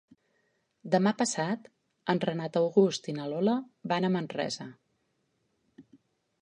Demà passat en Renat August i na Lola van a Manresa.